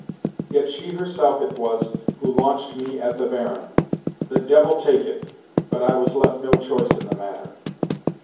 Yet she herself it was who launched me at the Baron! The devil take it, but I was left no choice in the matter."